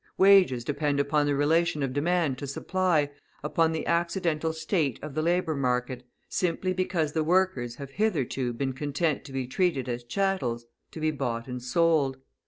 Wages depend upon the relation of demand to supply, upon the accidental state of the labour market, simply because the workers have hitherto been content to be treated as chattels, to be bought and sold.